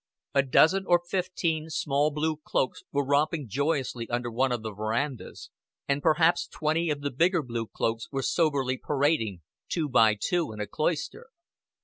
A dozen or fifteen small blue cloaks were romping joyously under one of the verandas, and perhaps twenty of the bigger blue cloaks were soberly parading two by two in a cloister.